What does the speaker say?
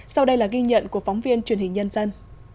sau đây là ghi nhận của phóng viên truyền hình nhân dân